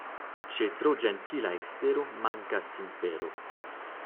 Ĉe tro ĝentila ekstero mankas sincero.